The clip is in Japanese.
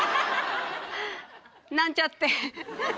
なんちゃって。